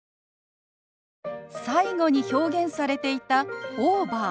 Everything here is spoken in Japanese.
最後に表現されていた「オーバー」。